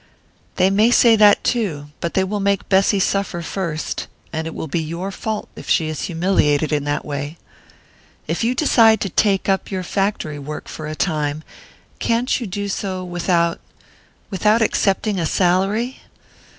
"They may say that too; but they will make Bessy suffer first and it will be your fault if she is humiliated in that way. If you decide to take up your factory work for a time, can't you do so without without accepting a salary?